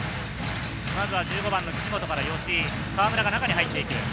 まずは１５番の岸本から吉井、河村が中に入っていく。